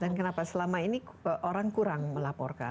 dan kenapa selama ini orang kurang melaporkan